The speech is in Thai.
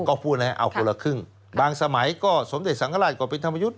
ก็พูดให้เอาคนละครึ่งบางสมัยก็สมเด็จสังฆราชก็เป็นธรรมยุทธ์